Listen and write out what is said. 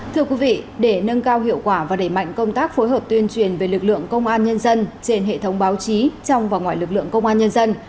thưa quý vị để nâng cao hiệu quả và đẩy mạnh công tác phối hợp tuyên truyền về lực lượng công an nhân dân trên hệ thống báo chí trong và ngoài lực lượng công an nhân dân